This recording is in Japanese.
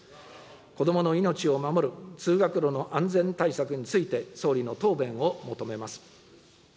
子どもの命を守る通学路の安全対策について、総理の答弁を求めます。